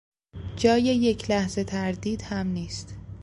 جای یک لحظه تردید هم نیست